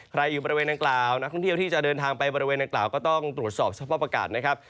อยู่บริเวณดังกล่าวนักท่องเที่ยวที่จะเดินทางไปบริเวณนางกล่าวก็ต้องตรวจสอบสภาพอากาศนะครับ